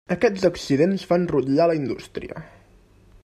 Aquests accidents fan rutllar la indústria.